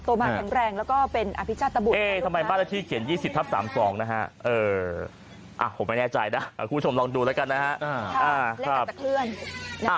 มาแข็งแรงแล้วก็เป็นอภิชาตบุตรเอ๊ทำไมบ้านละที่เขียน๒๐ทับ๓๒นะฮะผมไม่แน่ใจนะคุณผู้ชมลองดูแล้วกันนะฮะ